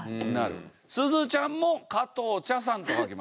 すずちゃんも加藤茶さんと書きました。